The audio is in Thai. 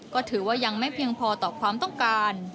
ก็ถือว่ายังไม่เพียงพอต่อความต้องการ